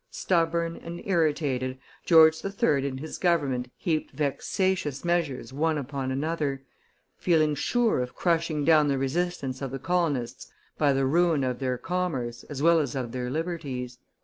Stubborn and irritated, George III. and his government heaped vexatious measures one upon another, feeling sure of crushing down the resistance of the colonists by the ruin of their commerce as well as of their liberties.